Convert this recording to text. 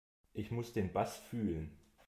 Ich muss den Bass fühlen.